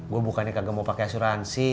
gue bukannya kagak mau pakai asuransi